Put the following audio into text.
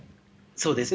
そうですね。